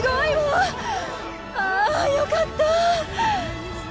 ああよかった！